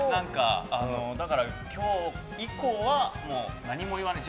だから、今日以降はもう何も言わない。